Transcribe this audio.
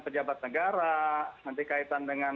pejabat negara nanti kaitan dengan